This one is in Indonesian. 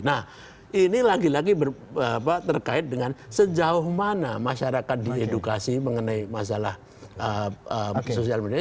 nah ini lagi lagi terkait dengan sejauh mana masyarakat diedukasi mengenai masalah sosial media